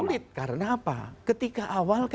sulit karena apa ketika awal